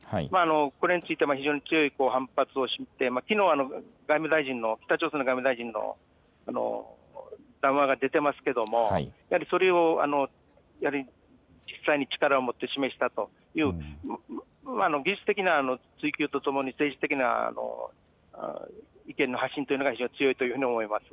これについて、非常に強い反発をして、きのうは外務大臣の、北朝鮮の外務大臣の談話が出てますけど、それをやはり実際に力をもって示したという、技術的な追求とともに、政治的な意見の発信というのが非常に強いというふうに思います。